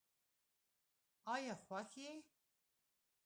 آیا خوښ یې؟